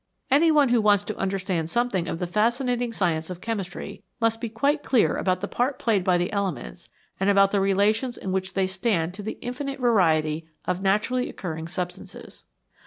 Any one who wants to understand something of the fascinating science of chemistry must be quite clear 30 NATURE'S BUILDING MATERIAL about the part played by the elements and about the relations in which they stand to the infinite variety ol naturally occurring substances.